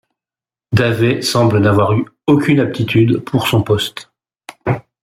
Davey semble n'avoir eu aucune aptitude pour son poste.